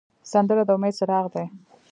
سندره د امید څراغ دی